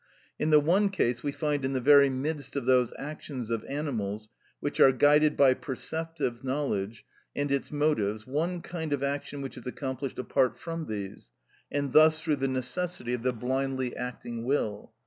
In the one case we find in the very midst of those actions of animals which are guided by perceptive knowledge and its motives one kind of action which is accomplished apart from these, and thus through the necessity of the blindly acting will.